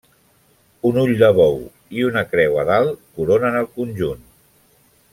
Un ull de bou i una creu a dalt coronen el conjunt.